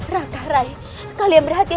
raka rai kalian berhati hatilah